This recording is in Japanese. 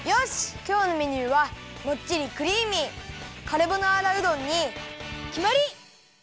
きょうのメニューはもっちりクリーミーカルボナーラうどんにきまり！